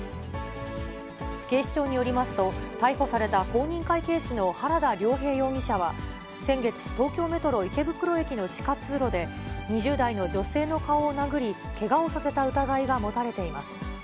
警視庁によりますと、逮捕された公認会計士の原田竜平容疑者は、先月、東京メトロ池袋駅の地下通路で、２０代の女性の顔を殴り、けがをさせた疑いが持たれています。